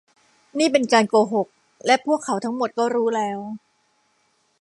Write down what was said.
นี่เป็นการโกหก และพวกเขาทั้งหมดก็รู้แล้ว